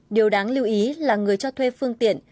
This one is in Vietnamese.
điều đáng lưu ý là người cho thuê phương tiện